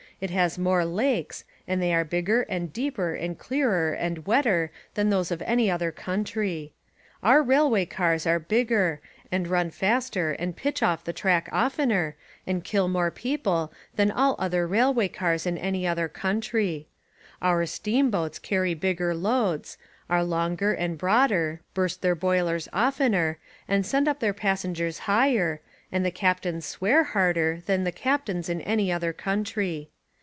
It has more lakes and they are bigger and deeper and clearer and wetter than those of any other country. Our railway cars are bigger and run 128 American Humour faster and pitch off the track oftener, and kill more people than all other railway cars in any other country. Our steamboats carry bigger loads, are longer and broader, burst their boilers oftener and send up their passengers higher, and the captains swear harder than the captains in any other country.